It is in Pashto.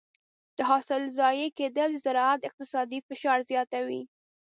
د حاصل ضایع کېدل د زراعت اقتصادي فشار زیاتوي.